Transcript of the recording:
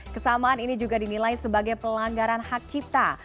kesamaan ini juga dinilai sebagai pelanggaran hak cipta